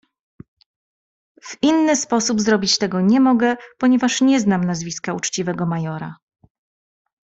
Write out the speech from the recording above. "W inny sposób zrobić tego nie mogę, ponieważ nie znam nazwiska uczciwego majora."